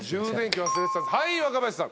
はい若林さん。